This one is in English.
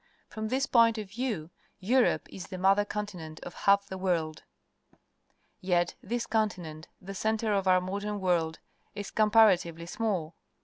From this point of view, Europe is the mother continent of half the world. Yet this continent, the centre of our modern world, is comparatively small.